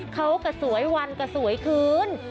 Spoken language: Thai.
เขาก็สวยวันก็สวยคืน